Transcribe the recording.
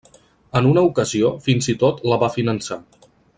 En una ocasió fins i tot la va finançar.